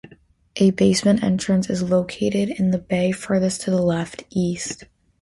A basement entrance is located in the bay furthest to the left (east).